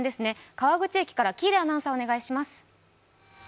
川口駅から喜入アナウンサーお願いします。